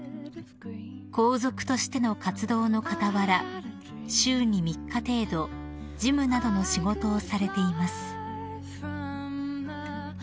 ［皇族としての活動の傍ら週に３日程度事務などの仕事をされています］